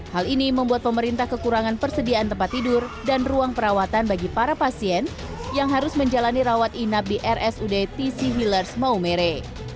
hal ini membuat pemerintah kekurangan persediaan tempat tidur dan ruang perawatan bagi para pasien yang harus menjalani rawat inap di rsud tc healers maumere